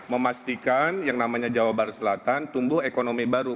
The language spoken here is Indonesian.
memastikan yang namanya jawa barat selatan tumbuh ekonomi baru